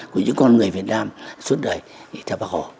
của những con người việt nam suốt đời thì ta bác hồ